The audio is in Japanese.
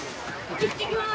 行ってきます。